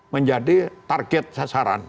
menjadi target sasaran